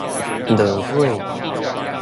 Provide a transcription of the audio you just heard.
路尾